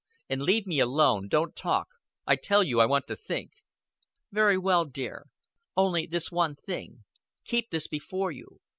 And leave me alone. Don't talk. I tell you I want to think." "Very well, dear. Only this one thing. Keep this before you.